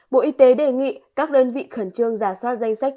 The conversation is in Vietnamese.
bộ y tế đề nghị các đơn vị khẩn trương giả soát danh sách